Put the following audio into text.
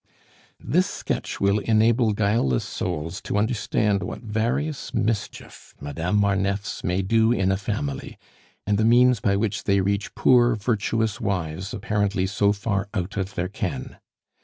This sketch will enable guileless souls to understand what various mischief Madame Marneffes may do in a family, and the means by which they reach poor virtuous wives apparently so far out of their ken.